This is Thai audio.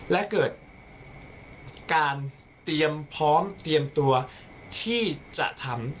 และเกิดการเตรียมพร้อมเตรียมตัวที่จะทำ